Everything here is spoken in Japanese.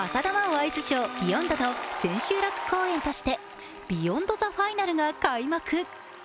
アイスショー「ＢＥＹＯＮＤ」の千秋楽公演として、「ＢＥＹＯＮＤＴｈｅＦｉｎａｌ」が開幕。